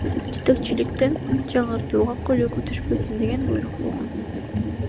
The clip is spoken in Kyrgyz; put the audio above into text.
Жетекчиликтен жаңыртууга көлөкө түшпөсүн деген буйрук болгон.